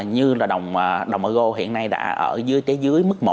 như là đồng euro hiện nay đã ở dưới mức một